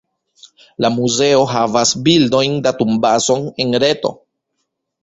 La muzeo havas bildojn-datumbazon en reto.